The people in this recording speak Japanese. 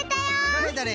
どれどれ？